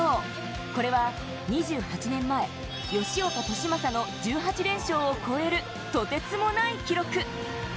これは２８年前、吉岡稔真の１８連勝を超える、とてつもない記録。